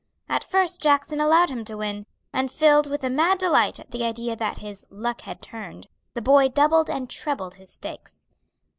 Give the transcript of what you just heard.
At first Jackson allowed him to win, and filled with a mad delight at the idea that "his luck had turned," the boy doubled and trebled his stakes.